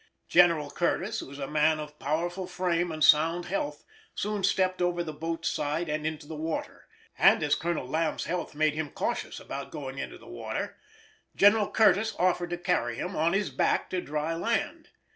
General Curtis, who is a man of powerful frame and sound health, soon stepped over the boat's side and into the water, and as Colonel Lamb's health made him cautious about going into the water, General Curtis offered to carry him on his back to dry land.